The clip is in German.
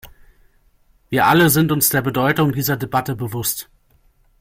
Wir alle sind uns der Bedeutung dieser Debatte bewusst.